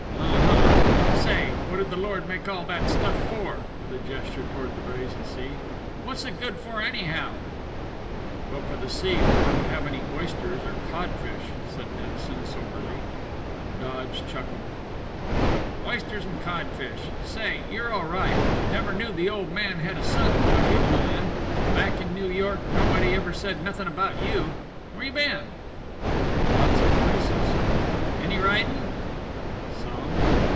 "Uh huh. Say, what did the Lord make all that stuff for?" with a gesture toward the brazen sea. "What's it good for, anyhow?" "But for the sea we wouldn't have any oysters or codfish," said Dennison, soberly. Dodge chuckled. "Oysters and codfish! Say, you're all right! Never knew the old man had a son until you blew in. Back in New York nobody ever said nothin' about you. Where you been?" "Lots of places." "Any ridin'?" "Some."